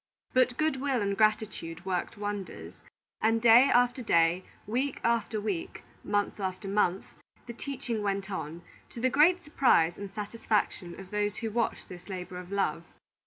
But good will and gratitude worked wonders; and day after day, week after week, month after month, the teaching went on, to the great surprise and satisfaction of those who watched this labor of love.